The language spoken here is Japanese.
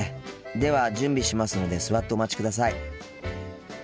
では準備しますので座ってお待ちください。